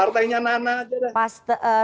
partainya anak anak aja